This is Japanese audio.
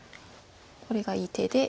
これがいい手で。